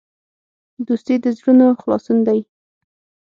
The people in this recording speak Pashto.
دوستي د زړونو خلاصون دی.